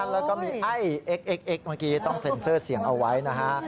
แล้วก็มีไอ้เอ็กซ์เมื่อกี้ต้องเซ็นเซอร์เสียงเอาไว้นะฮะ